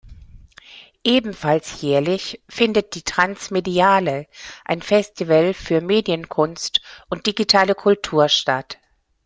Ebenfalls jährlich findet die transmediale, ein Festival für Medienkunst und digitale Kultur, statt.